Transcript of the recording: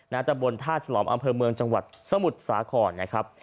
ตะบนท่าฉลอมอำเภอเมืองจังหวัดสมุทรสาครนะครับ